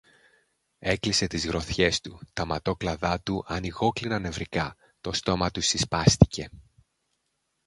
Έκλεισε τις γροθιές του, τα ματόκλαδά του ανοιγόκλεισαν νευρικά, το στόμα του συσπάστηκε